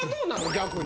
逆に。